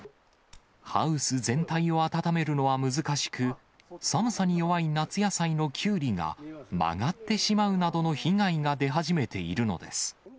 ハウス全体を暖めるのは難しく、寒さに弱い夏野菜のきゅうりが、曲がってしまうなどの被害が出始めているのです。